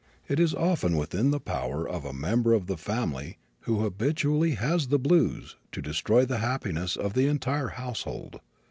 It is often within the power of a member of the family who habitually has "the blues" to destroy the happiness of the entire household.